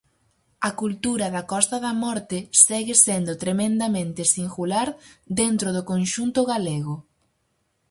A cultura da Costa da Morte segue sendo tremendamente singular dentro do conxunto galego.